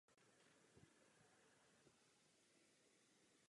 Jazykem většiny je v Nigeru a na severu Nigérie.